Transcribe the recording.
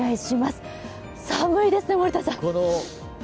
寒いですね、森田さん。